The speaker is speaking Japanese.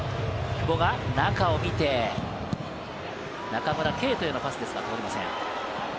久保が中を見て、中村敬斗へのパスですが通りません。